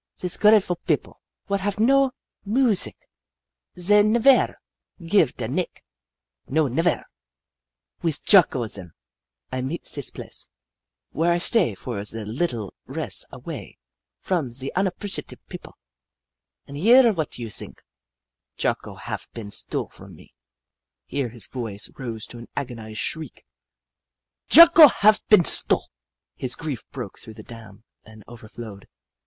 Zees grateful pipple, what haf no moosic, zey nevaire giva da nick, no, nevaire ! Wis Jocko, zen, I meet zees place, where I stay for ze little res' away from ze unappre ciatif pipple. An' here, what you zink ? Jocko haf been stole from me !" Here his voice rose to an agonised shriek :" Jocko haf been stole I " His grief broke through the dam and over flowed.